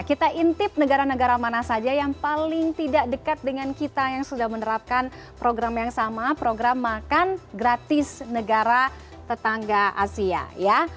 kita intip negara negara mana saja yang paling tidak dekat dengan kita yang sudah menerapkan program yang sama program makan gratis negara tetangga asia ya